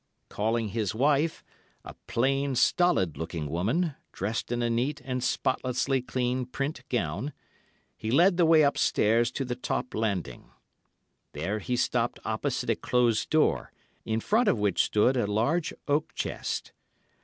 Calling his wife, a plain, stolid looking woman, dressed in a neat and spotlessly clean print gown, he led the way upstairs to the top landing. There he stopped opposite a closed door, in front of which stood a large oak chest.